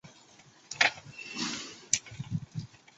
滇南尖叶木为茜草科尖叶木属下的一个种。